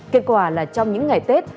kết quả là trong những ngày tết